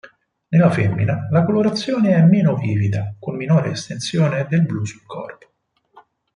Nella femmina, la colorazione è meno vivida, con minore estensione del blu sul corpo.